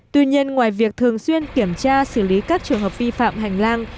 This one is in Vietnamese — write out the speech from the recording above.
tuy nhiên ngoài việc thường xuyên kiểm tra xử lý các trường hợp vi phạm hành lang